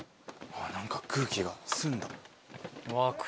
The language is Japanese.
・何か空気が澄んだ。